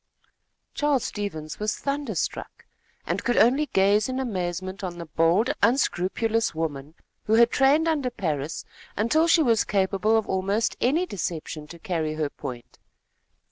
Charles Stevens was thunderstruck, and could only gaze in amazement on the bold, unscrupulous woman, who had trained under Parris, until she was capable of almost any deception to carry her point.